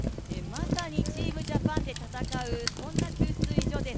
まさにチームジャパンで戦うそんな給水所です。